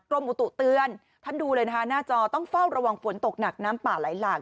อุตุเตือนท่านดูเลยนะคะหน้าจอต้องเฝ้าระวังฝนตกหนักน้ำป่าไหลหลาก